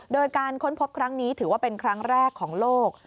โดยการค้นพบครั้งนี้ถือว่าเป็นครั้งแรกของโลก